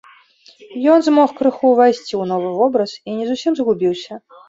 Ён змог крыху ўвайсці ў новы вобраз і не зусім згубіўся.